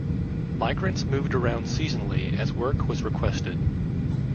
Migrants moved around seasonally as work was requested.